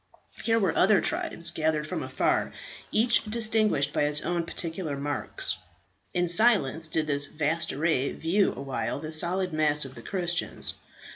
Here were other tribes, gathered from afar, each distinguished by its own particular marks. In silence did this vast array view awhile the solid mass of the Christians.